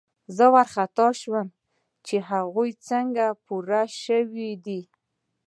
زه وارخطا شوم چې هغوی څنګه پوه شوي دي